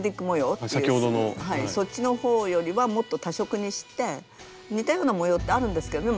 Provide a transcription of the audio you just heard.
そっちのほうよりはもっと多色にして似たような模様ってあるんですけどね